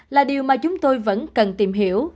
là điều mà chúng tôi vẫn cần tìm hiểu